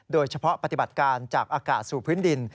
โดยเฉพาะปฏิบัติการจากอากาศสู่พื้นดิน